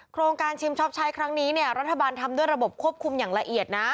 โครงการชิมช็อปใช้ครั้งนี้เนี่ยรัฐบาลทำด้วยระบบควบคุมอย่างละเอียดนะ